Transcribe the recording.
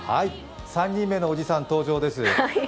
３人目のおじさん、登場です。